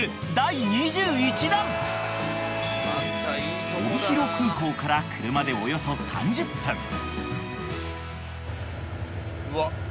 ［帯広空港から車でおよそ３０分］